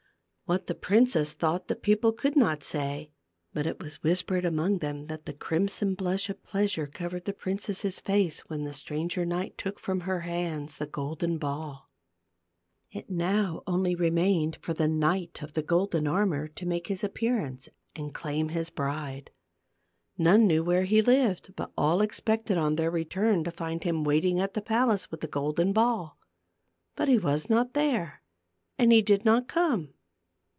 What the princess thought the people could THE GLASS' MOUNTAIN. 277 not say ; but it was whispered among them that the crimson blush of pleasure covered the prin cess' face when the stranger knight took from her hands the golden ball. It now only remained for the knight of the golden armor to make his appearance and claim his bride. None knew where he lived, but all expected on their return to find him waiting at the palace with the golden ball. But he was not there and he did not come.